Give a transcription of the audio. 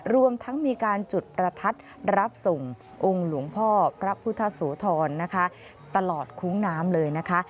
รวมทั้งมีการจุดประทัดรับส่งองค์หลวงพ่อพระพุทธโสธรนะคะตลอดคุ้งน้ำเลยนะคะ